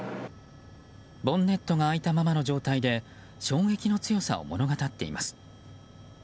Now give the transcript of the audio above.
ボンネットが開いたままの状態で衝撃の強さを物語っています。